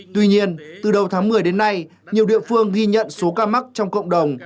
tuy nhiên từ đầu tháng một mươi đến nay nhiều địa phương ghi nhận số ca mắc trong cộng đồng